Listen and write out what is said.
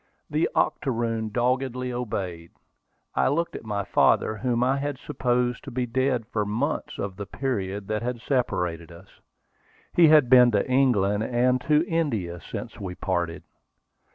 The octoroon doggedly obeyed. I looked at my father, whom I had supposed to be dead for months of the period that had separated us. He had been to England and to India since we parted.